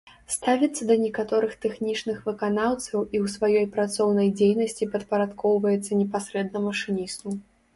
Ставіцца да катэгорыі тэхнічных выканаўцаў і ў сваёй працоўнай дзейнасці падпарадкоўваецца непасрэдна машыністу.